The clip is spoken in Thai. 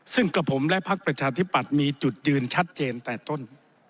ซึ่งกับผมและพักประชาธิปัตย์มีจุดยืนชัดเจนแต่ต้น